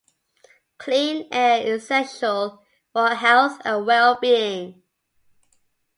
Clean air is essential for our health and well-being.